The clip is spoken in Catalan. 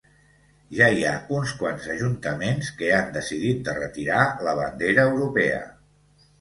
Ja hi ha uns quants ajuntaments que han decidit de retirar la bandera europea.